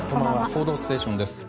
「報道ステーション」です。